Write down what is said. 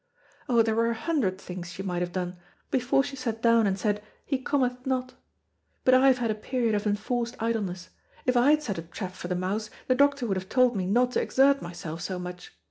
Oh, there were a hundred things she might have done, before she sat down and said, 'He cometh not,' But I have had a period of enforced idleness. If I had set a trap for the mouse, the doctor would have told me not to exert myself so much.'